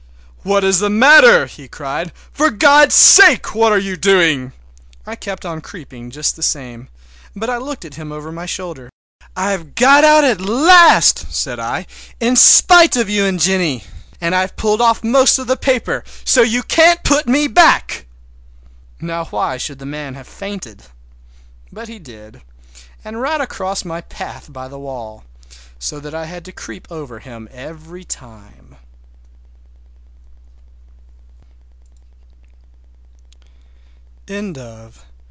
"What is the matter?" he cried. "For God's sake, what are you doing!" I kept on creeping just the same, but I looked at him over my shoulder. "I've got out at last," said I, "in spite of you and Jane! And I've pulled off most of the paper, so you can't put me back!" Now why should that man have fainted? But he did, and right across my path by the wall, so that I had to creep over him every time!